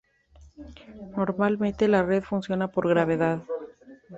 Normalmente, la red funciona por gravedad.